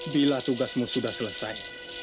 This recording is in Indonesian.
bila tugasmu sudah selesai